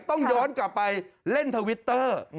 ต้องย้อนกลับไปเล่นทวิตเตอร์